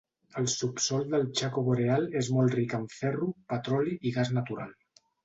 El subsòl del Chaco Boreal és molt ric en ferro, petroli, i gas natural.